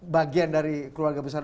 bagian dari keluarga besar